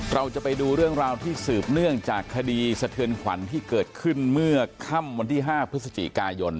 เราจะไปดูเรื่องราวที่สืบเนื่องจากคดีสะเทือนขวัญที่เกิดขึ้นเมื่อค่ำวันที่๕พฤศจิกายน